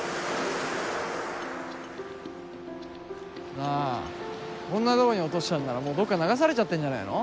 なあこんな所に落としたんならもうどっか流されちゃってんじゃねえの？